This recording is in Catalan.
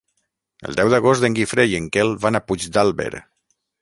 El deu d'agost en Guifré i en Quel van a Puigdàlber.